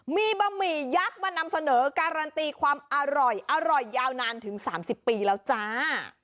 มีบะหมี่ยักษ์มานำเสนอการันตีความอร่อยอร่อยยาวนานถึง๓๐ปีแล้วจ้า